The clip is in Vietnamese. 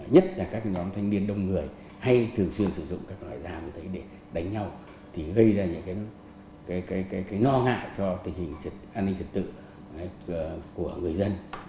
nhất là các nhóm thanh niên đông người hay thường xuyên sử dụng các loại dao để đánh nhau thì gây ra những cái ngò ngạ cho tình hình an ninh chất tự của người dân